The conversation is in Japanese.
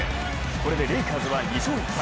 これでレイカーズは２勝１敗。